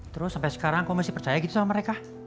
terus sampai sekarang aku masih percaya gitu sama mereka